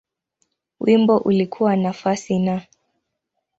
Wimbo ulikuwa nafasi Na.